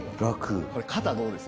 これ肩どうです？